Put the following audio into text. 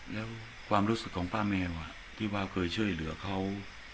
แล้วความรู้สึกของป้าแมวที่ว่าเคยช่วยเหลือเขา